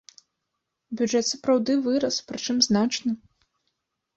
Бюджэт сапраўды вырас, прычым значна.